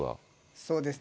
そうですね。